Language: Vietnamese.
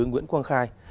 nguyễn quang khai